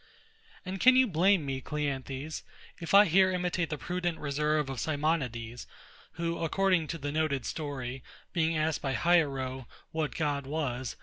And can you blame me, CLEANTHES, if I here imitate the prudent reserve of SIMONIDES, who, according to the noted story, being asked by HIERO, What God was?